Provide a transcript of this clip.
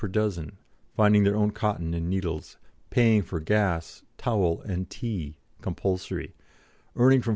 per dozen, finding their own cotton and needles, paying for gas, towel, and tea (compulsory), earning from 4s.